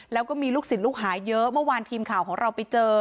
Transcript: แล้วก็มีลูกศิษย์ลูกหาเยอะเมื่อวานทีมข่าวของเราไปเจอ